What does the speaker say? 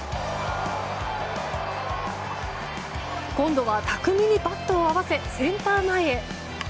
今度は巧みにバットを合わせセンター前へ。